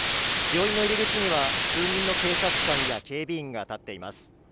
病院の入り口には数人の警察官や警備員が立っています。